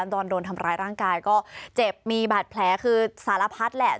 โดนทำร้ายร่างกายก็เจ็บมีบาดแผลคือสารพัดแหละ